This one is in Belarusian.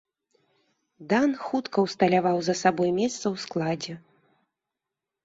Дан хутка ўсталяваў за сабой месца ў складзе.